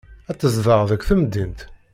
Ad tezdeɣ deg temdint.